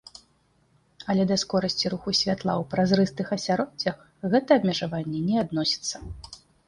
Але да скорасці руху святла ў празрыстых асяроддзях гэта абмежаванне не адносіцца.